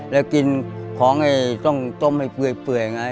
แล้วกินของต้องต้มให้เปื่อยไง